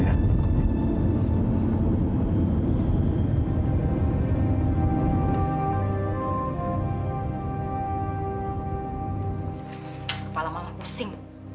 kepala mama pusing